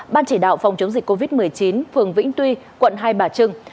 ban chỉ đạo phòng chống dịch covid một mươi chín phường vĩnh tuy quận hai bà trưng